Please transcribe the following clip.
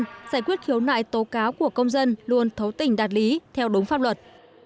giải quyết khiếu nại tố cáo của công dân luôn thấu tình đạt lý theo đúng pháp luật